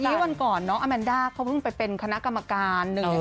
วันนี้วันก่อนน้องอาแมนด้าเขาเพิ่งไปเป็นคณะกรรมการ๑๑